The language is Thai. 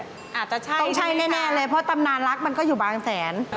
อาจจะใช่ต้องใช่แน่เลยเพราะตำนานรักมันก็อยู่บางแสน